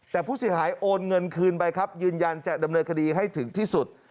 แต่ผู้เสียหายโอนเงินคืนไปครับยืนยันจะดำเนินคดีให้ถึงที่สุด